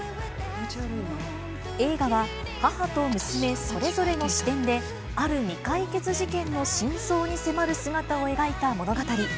映画は、母と娘それぞれの視点で、ある未解決事件の真相に迫る姿を描いた物語。